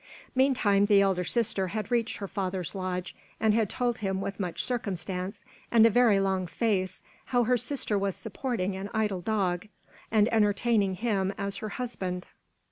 Meantime the elder sister had reached her father's lodge and had told him with much circumstance and a very long face how her sister was supporting an idle dog, and entertaining him as her husband.